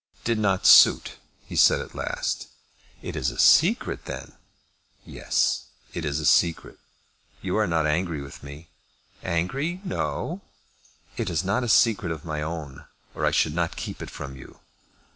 "It did not suit," he said at last. "It is a secret then?" "Yes; it is a secret. You are not angry with me?" "Angry; no." "It is not a secret of my own, or I should not keep it from you."